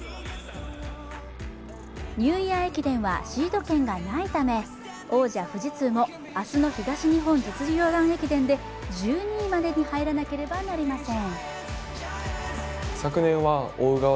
ニューイヤー駅伝はシード権がないため王者・富士通も明日の東日本実業団駅伝で１２位までに入らなければなりません。